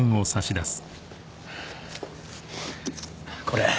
これ。